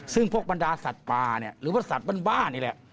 ซึ่งพวกบรรดาสัตว์ป่าเนี่ยหรือว่าสัตว์บ้านนี่แหละ